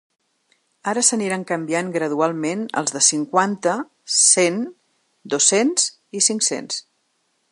Ara s’aniran canviant gradualment els de cinquanta, cent, dos-cents i cinc-cents.